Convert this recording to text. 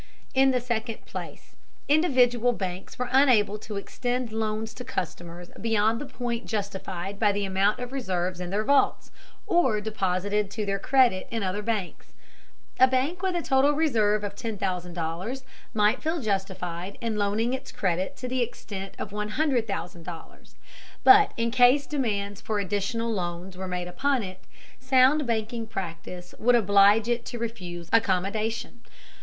In the second place, individual banks were unable to extend loans to customers beyond the point justified by the amount of reserves in their vaults, or deposited to their credit in other banks. A bank with a total reserve of $10,000 might feel justified in loaning its credit to the extent of $100,000, but in case demands for additional loans were made upon it, sound banking practice would oblige it to refuse accommodation.